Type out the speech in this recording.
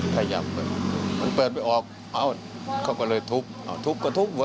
พยายามเปิดมันเปิดไว้ออกเขาก็เลยทุบทุบก็ทุบเว้ย